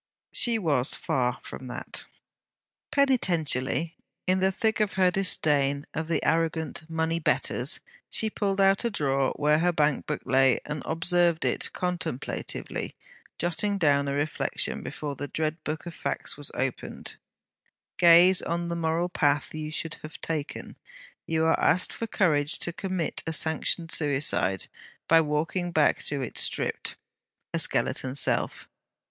She was far from that. Penitentially, in the thick of her disdain of the arrogant money Betters, she pulled out a drawer where her bank book lay, and observed it contemplatively; jotting down a reflection before the dread book of facts was opened: 'Gaze on the moral path you should have taken, you are asked for courage to commit a sanctioned suicide, by walking back to it stripped a skeleton self.'